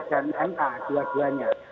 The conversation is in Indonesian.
dan ema dua duanya